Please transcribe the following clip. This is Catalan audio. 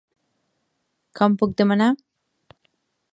Com puc demanar??